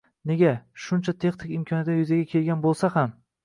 Nega, shuncha texnik imkoniyatlar yuzaga kelgan bo‘lsa ham